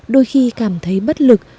đôi khi cảm thấy bất lực